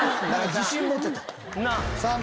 自信持てた。